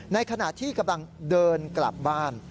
ในขณะที่กำลังเดินกลับบ้าน